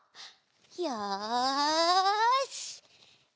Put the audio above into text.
よし！